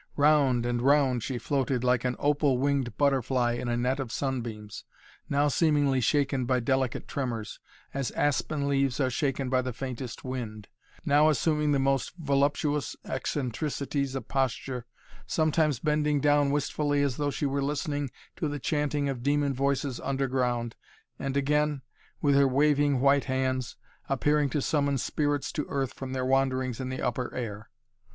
Round and round she floated, like an opal winged butterfly in a net of sunbeams, now seemingly shaken by delicate tremors, as aspen leaves are shaken by the faintest wind, now assuming the most voluptuous eccentricities of posture, sometimes bending down wistfully as though she were listening to the chanting of demon voices underground, and again, with her waving white hands, appearing to summon spirits to earth from their wanderings in the upper air.